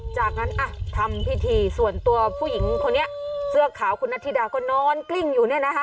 จากนั้นอ่ะทำพิธีส่วนตัวผู้หญิงคนนี้เสื้อขาวคุณนัทธิดาก็นอนกลิ้งอยู่เนี่ยนะคะ